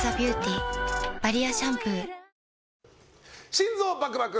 心臓バクバク！